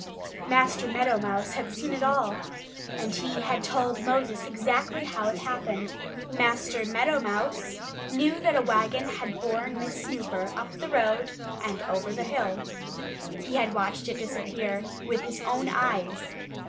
Master Meadow Mouse had seen it all; and he had told Moses exactly how it happened. Master Meadow Mouse knew that a wagon had borne Miss Snooper up the road and over the hill. He had watched it disappear, with his own eyes.